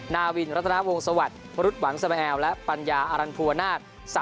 นาวินรัฐนาวงศวรรควรุษหวังสมแอลและปัญญาอรันภูวนาศ